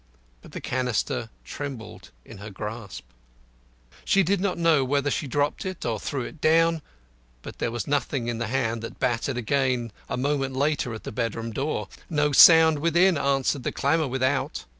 But the canister trembled in her grasp. She did not know whether she dropped it or threw it down, but there was nothing in the hand that battered again a moment later at the bedroom door. No sound within answered the clamour without.